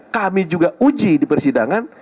kami juga uji di persidangan